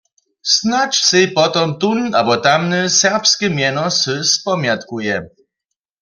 Snadź sej potom tón abo tamny serbske mjeno wsy spomjatkuje.